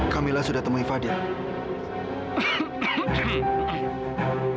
kamilah sudah temui fadil